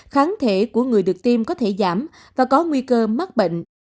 kháng thể của người được tiêm có thể giảm và có nguy cơ mắc bệnh